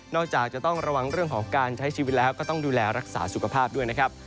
จากจะต้องระวังเรื่องของการใช้ชีวิตแล้วก็ต้องดูแลรักษาสุขภาพด้วยนะครับ